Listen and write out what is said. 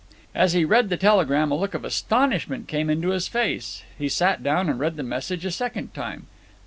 As he read the telegram a look of astonishment came into his face. He sat down and read the message a second time.